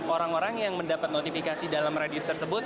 orang orang yang mendapat notifikasi dalam radius tersebut